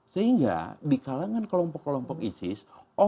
sehingga di kalangan kelompok kelompok isis